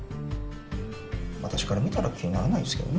私から見たら気にならないですけどね。